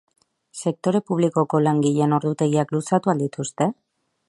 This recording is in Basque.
Sektore publikoko langileen ordutegiak luzatuko al dituzte?